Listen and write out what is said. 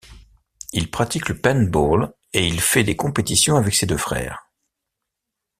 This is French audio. Il pratique le paintball et il fait des compétitions avec ses deux frères.